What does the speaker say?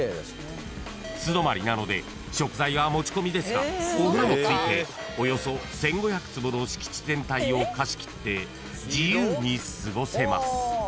［素泊まりなので食材は持ち込みですがお風呂も付いておよそ１，５００坪の敷地全体を貸し切って自由に過ごせます］